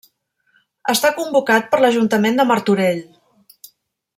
Està convocat per l'Ajuntament de Martorell.